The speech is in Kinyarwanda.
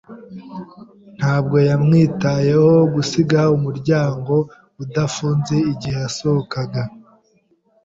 Ntabwo yamwitayeho gusiga umuryango adafunze igihe yasohokaga.